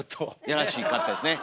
やらしかったですね。